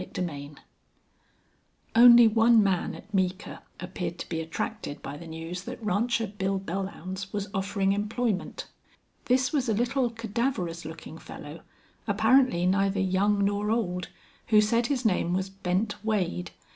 CHAPTER IV Only one man at Meeker appeared to be attracted by the news that Rancher Bill Belllounds was offering employment. This was a little cadaverous looking fellow, apparently neither young nor old, who said his name was Bent Wade.